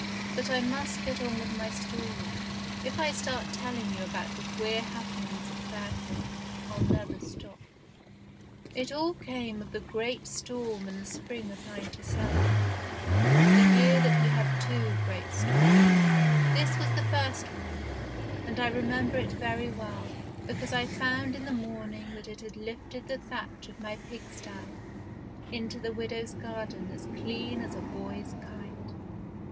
But I must get on with my story; if I start telling you about the queer happenings at Fairfield I'll never stop. It all came of the great storm in the spring of '97, the year that we had two great storms. This was the first one, and I remember it very well, because I found in the morning that it had lifted the thatch of my pigsty into the widow's garden as clean as a boy's kite.